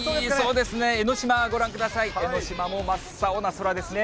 そうですね、江の島ご覧ください、江の島も真っ青な空ですね。